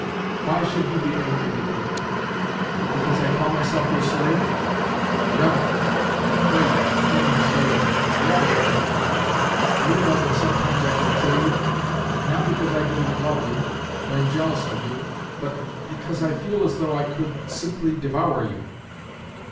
Why should you be angry with me? Because I call myself your slave? Revel, I pray you, in my slavery—revel in it. Do you know that sometimes I could kill you?—not because I do not love you, or am jealous of you, but, because I feel as though I could simply devour you...